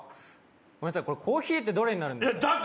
ごめんなさい、コーヒーってどれになるんですか？